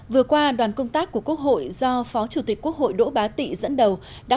vừa qua đoàn công tác của quốc hội do phó chủ tịch quốc hội đỗ bá tị dẫn đầu